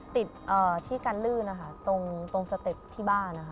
ติดที่กันลื่นตรงสเต็ปที่บ้าน